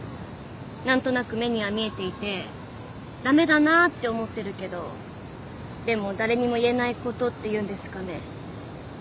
何となく目には見えていて駄目だなって思ってるけどでも誰にも言えないことっていうんですかね。